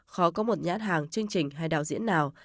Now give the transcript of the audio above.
khó có một nhãn hàng chương trình hay đạo diễn nào